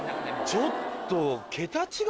ちょっと。